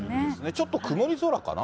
ちょっと曇り空かな。